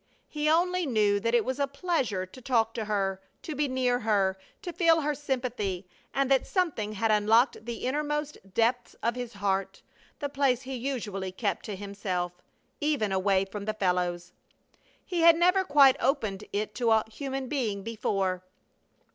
He only knew that it was a pleasure to talk to her, to be near her, to feel her sympathy; and that something had unlocked the innermost depths of his heart, the place he usually kept to himself, even away from the fellows. He had never quite opened it to a human being before.